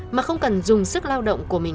mà không cần dùng sức lao động của mình